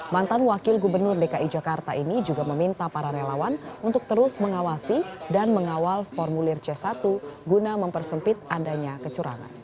mantan wakil gubernur dki jakarta ini juga meminta para relawan untuk terus mengawasi dan mengawal formulir c satu guna mempersempit adanya kecurangan